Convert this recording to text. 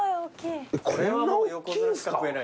これはもう横綱しか食えないよ。